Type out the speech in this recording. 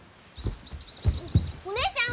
お姉ちゃん